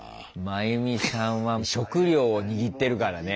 まゆみさんは食料を握ってるからね。